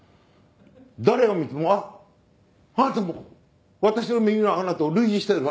誰を見てもあっあなたも私の耳の穴と類似しているわ。